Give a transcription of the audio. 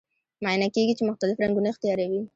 معاینه کیږي چې مختلف رنګونه اختیاروي.